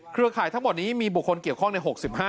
ข่ายทั้งหมดนี้มีบุคคลเกี่ยวข้องใน๖๕